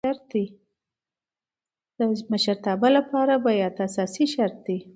د مشرتابه له پاره بیعت اساسي شرط دئ.